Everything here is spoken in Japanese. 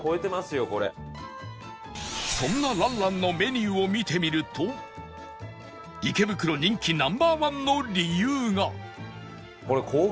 そんな蘭蘭のメニューを見てみると池袋人気 Ｎｏ．１ の理由が